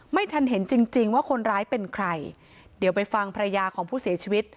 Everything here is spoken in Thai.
ไม่ทันเห็นจริงจริงว่าคนร้ายเป็นใครเดี๋ยวไปฟังภรรยาของผู้เสียชีวิต